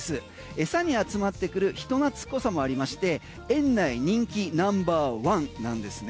エサに集まってくる人なつっこさもありまして園内人気ナンバーワンなんです。